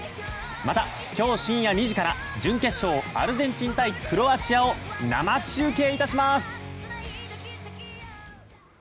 また今日深夜２時から準決勝アルゼンチン対クロアチアを生中継いたします。